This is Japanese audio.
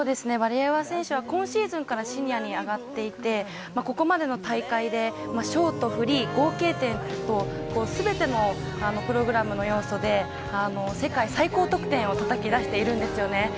ワリエワ選手は今シーズンからシニアに上がっていてここまでの大会でショート、フリー、合計点すべてのプログラムの要素で世界最高得点をたたき出しているんですよね。